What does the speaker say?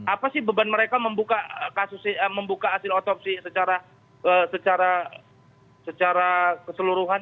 apa sih beban mereka membuka hasil otopsi secara keseluruhan